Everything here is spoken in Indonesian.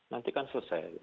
nanti kan selesai